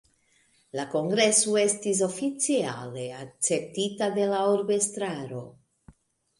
La kongreso estis oficiale akceptita de la urbestraro.